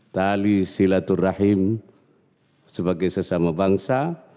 tali silaturahim sebagai sesama bangsa